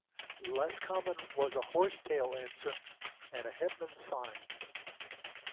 Less common was a horse-tail ensign and hetman's sign.